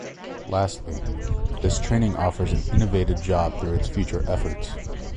Lastly, this training offers an innovative job through its future efforts.